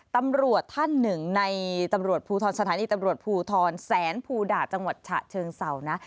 ตำรวจท่านหนึ่งในตำรวจภูทรสถานีตำรวจภูทรแสนภูดาจังหวัดฉะเชิงเศร้านะ